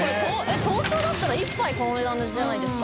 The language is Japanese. ┐叩豕Ⅳ世辰燭１杯この値段じゃないですか？